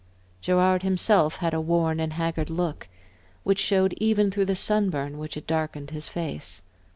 Gerard himself had a worn and haggard look, which showed even through the sun burn which had darkened his face.